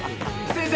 先生！